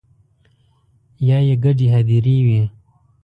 یا يې ګډې هديرې وي